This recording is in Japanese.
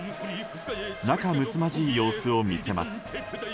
仲むつまじい様子を見せます。